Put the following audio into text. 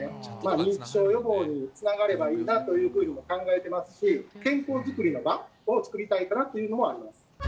認知症予防につながればいいなというふうにも考えてますし、健康づくりの場を作りたいかなというのもあります。